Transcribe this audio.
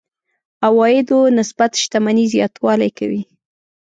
عوایدو نسبت شتمنۍ زياتوالی کوي.